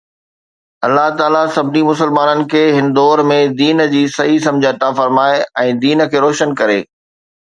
الله تعاليٰ سڀني مسلمانن کي هن دور ۾ دين جي صحيح سمجھ عطا فرمائي ۽ دين کي روشن ڪري